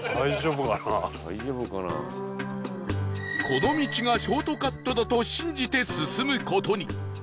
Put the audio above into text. この道がショートカットだと信じて進む事に